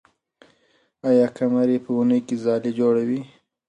آیا قمري په ونې کې ځالۍ جوړوي؟